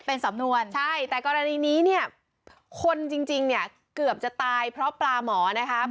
เป็นสำนวนใช่แต่กรณีนี้เนี่ยคนจริงเนี่ยเกือบจะตายเพราะปลาหมอนะคะ